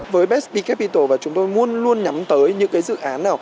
với best be capital và chúng tôi muốn luôn nhắm tới những dự án